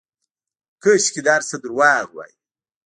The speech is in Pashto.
کاشکې دا هرڅه درواغ واى.